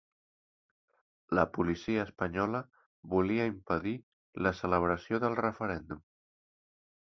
La policia espanyola volia impedir la celebració del referèndum.